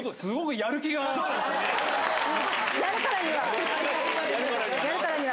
やるからには。